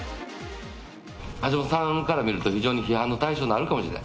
橋下さんから見ると、非常に批判の対象になるかもしれん。